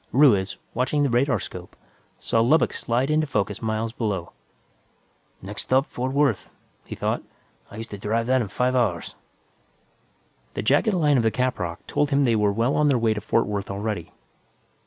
Ruiz, watching the radarscope, saw Lubbock slide into focus miles below. Next stop, Fort Worth, he thought. I used to drive that in five hours. The jagged line of the caprock told him they were well on their way to Fort Worth already.